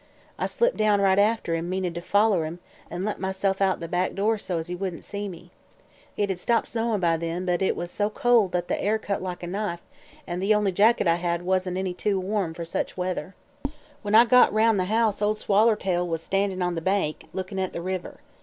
I slipped down right after him, meanin' to foller him, an' let myself out the back door so's he wouldn't see me. It had stopped snowin' by then, but it was so cold that the air cut like a knife and the only jacket I had wasn't any too warm fer such weather. "When I got 'round the house Ol' Swallertail was standin' on the bank, lookin' at the river.